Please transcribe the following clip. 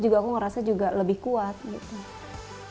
kulit terasa lebih lembut halus dan lembab